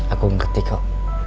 aku ngerti kok